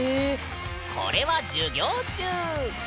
これは授業中。